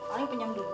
paling pinjam duit